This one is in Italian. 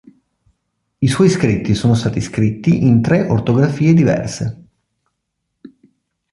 I suoi scritti sono stati scritti in tre ortografie diverse.